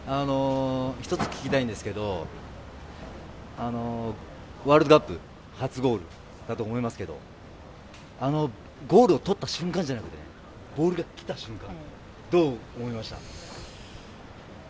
一つ聞きたいんですがワールドカップ初ゴールだと思いますがゴールを取った瞬間じゃなくてボールが来た瞬間どう思いました？